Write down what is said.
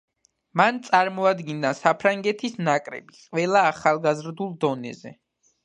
მან წარმოადგინა საფრანგეთის ნაკრები ყველა ახალგაზრდულ დონეზე.